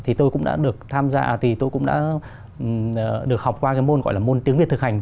thì tôi cũng đã được tham gia thì tôi cũng đã được học qua cái môn gọi là môn tiếng việt thực hành